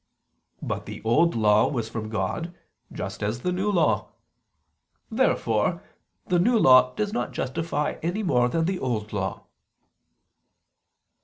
But the Old Law was from God just as the New Law. Therefore the New Law does not justify any more than the Old Law.